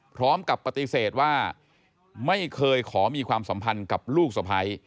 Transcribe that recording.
พร้อมกับปฏิเสธว่าไม่เคยขอมีความสัมพันธ์กับลูกสะพ้าย